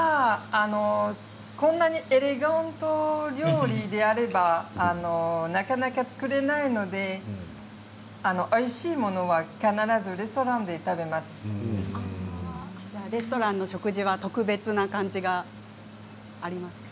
こんなにエレガント料理であればなかなか作れないのでおいしいものはレストランの食事は特別なものがありますか？